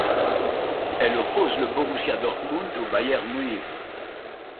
Elle oppose le Borussia Dortmund au Bayern Munich.